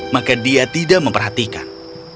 maka dia tidak memperhatikan